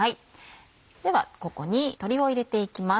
ではここに鶏を入れていきます。